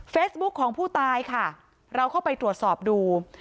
ของผู้ตายค่ะเราเข้าไปตรวจสอบดู